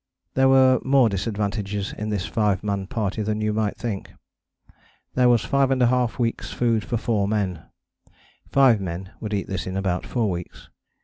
There were more disadvantages in this five man party than you might think. There was 5½ weeks' food for four men: five men would eat this in about four weeks.